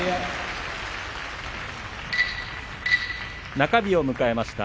中日を迎えました。